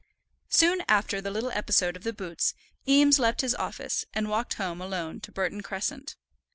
Soon after the little episode of the boots Eames left his office, and walked home alone to Burton Crescent.